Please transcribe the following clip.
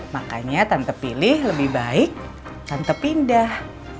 makanya tante pilih lebih baik tanpa pindah